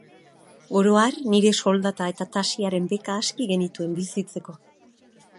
Oro har, nire soldata eta Tasiaren beka aski genituen bizitzeko.